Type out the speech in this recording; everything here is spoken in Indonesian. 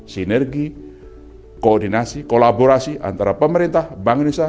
sinergi koordinasi kolaborasi antara pemerintah bank indonesia